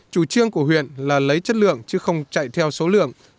chủ trương của huyện là lấy chất lượng chứ không chạy theo số lượng